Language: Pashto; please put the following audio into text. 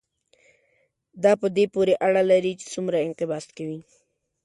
دا په دې پورې اړه لري چې څومره انقباض کوي.